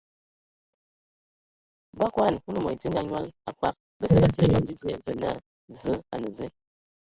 Ba akodan Kulu mod edinga a nyal a kpag basə ba sili eyoŋ dzidzia və naa: Zǝ a ne ve ?.